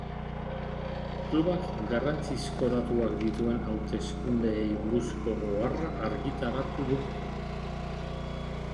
Klubak garrantzizko datuak dituen hausteskundeei buruzko oharra argitaratu du.